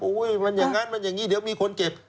มันอย่างนั้นมันอย่างนี้เดี๋ยวมีคนเจ็บ